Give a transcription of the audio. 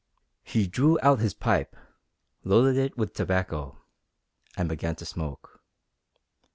He drew out his pipe, loaded it with tobacco, and began to smoke.